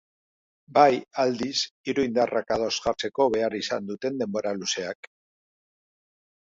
Bai, aldiz, hiru indarrak ados jartzeko behar izan duten denbora luzeak.